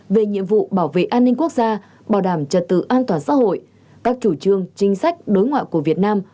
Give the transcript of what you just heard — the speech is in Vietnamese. về nhiệm vụ bảo vệ an ninh quốc gia bảo đảm trật tự an toàn xã hội các chủ trương chính sách đối ngoại của việt nam